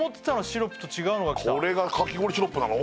もうこれがかき氷シロップなの？